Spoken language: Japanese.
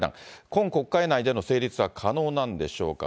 今国会内での成立は可能なんでしょうか。